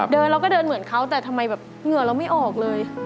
เราก็เดินเหมือนเขาแต่ทำไมแบบเหงื่อเราไม่ออกเลย